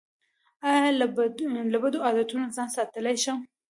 ایا له بدو عادتونو ځان ساتلی شئ؟